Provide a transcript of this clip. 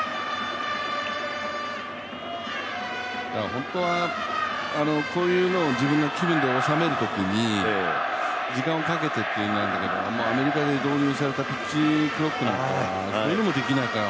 本当はこういうのを自分の気分でおさめるときに時間をかけてっていうんだけどアメリカで導入されたピッチクロックなんかがあってこれでもできないから